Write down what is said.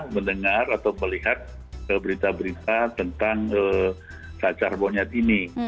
mendengar atau melihat berita berita tentang cacar monyet ini